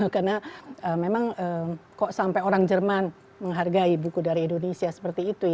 karena memang kok sampai orang jerman menghargai buku dari indonesia seperti itu